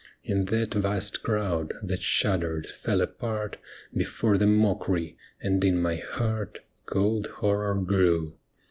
In that vast crowd, that shuddered, fell apart Before the mockery, and in my heart Cold horror grew.